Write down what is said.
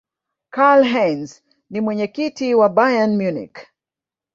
karlheinze ni mwenyekiti wa bayern munich